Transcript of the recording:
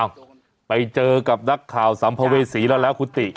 ไปเจอกับนักข่าวสัมภเวษีแล้วแล้วคุณติ